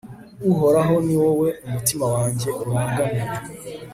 uhoraho, ni wowe umutima wanjye urangamiye